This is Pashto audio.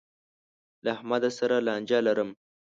له احمد سره لانجه لرم.